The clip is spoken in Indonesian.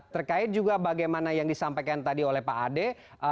terkait juga bagaimana yang disampaikan tadi oleh pak ade